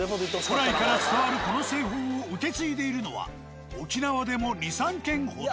古来から伝わるこの製法を受け継いでいるのは沖縄でも２３軒ほど。